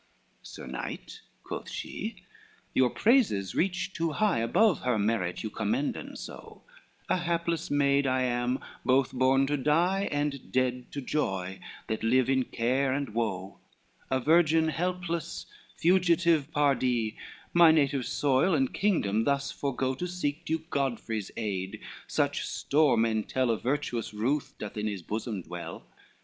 XXXVI "Sir Knight," quoth she, "your praises reach too high Above her merit you commenden so, A hapless maid I am, both born to die And dead to joy, that live in care and woe, A virgin helpless, fugitive pardie, My native soil and kingdom thus forego To seek Duke Godfrey's aid, such store men tell Of virtuous ruth doth in his bosom dwell.